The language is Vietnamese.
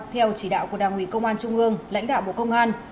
theo chỉ đạo của đảng ủy công an trung ương lãnh đạo bộ công an